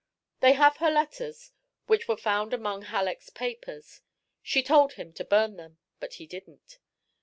"They have her letters, which were found among Halleck's papers she told him to burn them, but he didn't.